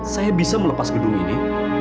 saya bisa melepas gedung ini